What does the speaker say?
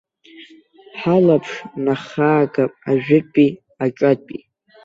Ҳалаԥш нахаагап ажәытәи аҿатәи.